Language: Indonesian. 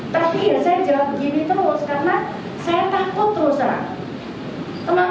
tapi ya saya jawab begini terus karena saya takut terus terang